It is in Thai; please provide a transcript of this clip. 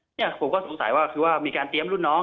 นี่ผมก็สงสัยว่ามันมีการเตือนรุ่นน้อง